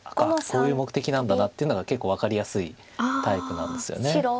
こういう目的なんだっていうのが結構分かりやすいタイプなんですよね。